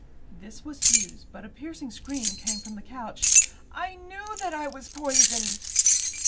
This was Hughes. But a piercing scream came from the couch. "I knew that I was poisoned!"